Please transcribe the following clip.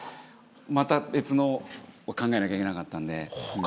また別のを考えなきゃいけなかったんで。